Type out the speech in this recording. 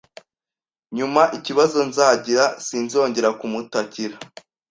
nyuma ikibazo nzagira sinzongere kumutakira.